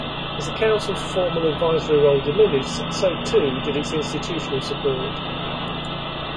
As the Council's formal advisory role diminished, so too did its institutional support.